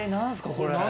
これ。